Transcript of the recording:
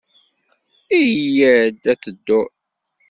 Yya-d ad tedduḍ.